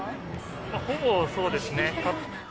ほぼそうですね。